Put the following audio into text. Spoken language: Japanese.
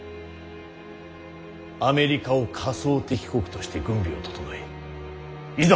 アメリカを仮想敵国として軍備を調えいざ